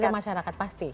kepada masyarakat pasti